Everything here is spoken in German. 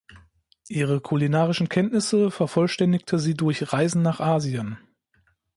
Ihre kulinarischen Kenntnisse vervollständigte sie durch Reisen nach Asien.